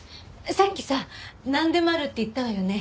さっきさなんでもあるって言ったわよね？